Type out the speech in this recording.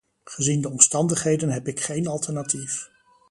Gezien de omstandigheden heb ik geen alternatief.